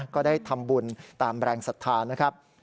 ก็ได้ทำบุญตามแรงศรัทธานะครับ